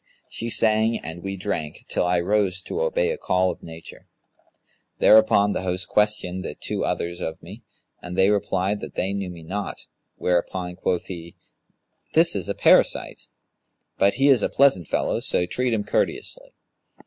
She sang and we drank, till I rose to obey a call of nature. Thereupon the host questioned the two others of me, and they replied that they knew me not; whereupon quoth he, 'This is a parasite[FN#187]; but he is a pleasant fellow, so treat him courteously.'